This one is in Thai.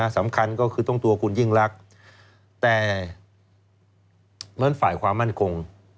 สำคัญก็คือต้องตัวคุณยิ่งรักแต่เหมือนฝ่ายความมั่นคง